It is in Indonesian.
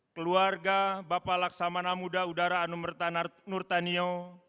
keluarga bapak laksamana muda udara anumerta nur tanio